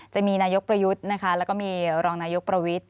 จะมีนายกประยุทธ์แล้วก็มีรองนายกประวิทธิ